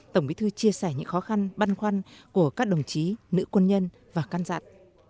tổng bí thư chia sẻ những khó khăn băn khoăn của các đồng chí nữ quân nhân và căn dặn